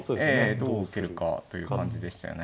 どう受けるかという感じでしたよね。